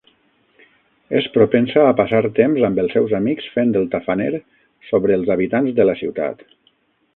És propensa a passar temps amb els seus amics fent el tafaner sobre els habitants de la ciutat.